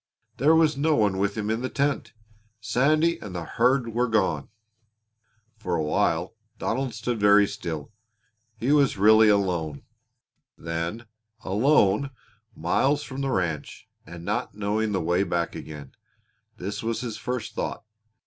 There was no one with him in the tent! Sandy and the herd were gone! For a while Donald stood very still. He was really alone, then alone, miles from the home ranch, and not knowing the way back again! This was his first thought.